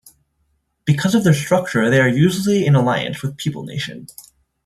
Because of their structure they are usually in alliance with People Nation.